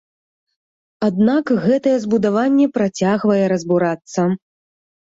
Аднак гэтае збудаванне працягвае разбурацца.